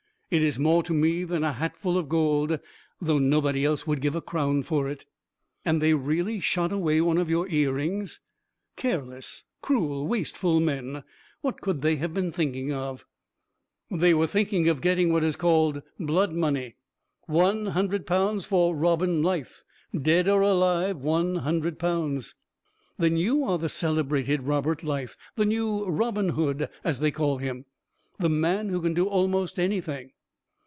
It is more to me than a hatful of gold, though nobody else would give a crown for it." "And they really shot away one of your earrings? Careless, cruel, wasteful men! What could they have been thinking of?" "They were thinking of getting what is called 'blood money.' One hundred pounds for Robin Lyth. Dead or alive one hundred pounds."... "Then are you the celebrated Robin Lyth the new Robin Hood, as they call him? The man who can do almost anything?"